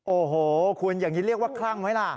โอ้โหคุณอย่างนี้เรียกว่าคลั่งไหมล่ะ